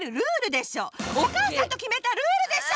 お母さんときめたルールでしょ！